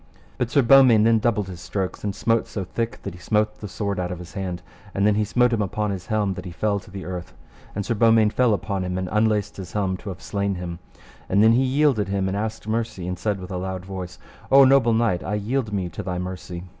But Sir Beaumains then doubled his strokes, and smote so thick that he smote the sword out of his hand, and then he smote him upon the helm that he fell to the earth, and Sir Beaumains fell upon him, and unlaced his helm to have slain him; and then he yielded him and asked mercy, and said with a loud voice: O noble knight, I yield me to thy mercy.